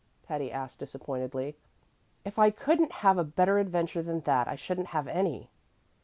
Patty asked disappointedly. "If I couldn't have a better adventure than that, I shouldn't have any."